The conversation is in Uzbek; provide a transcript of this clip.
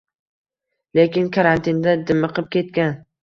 lekin karantinda dimiqib ketgan